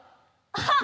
あっ！